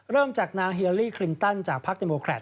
เริ่มจากนางฮิลาลี่คลินตันจากพักเตโมแครต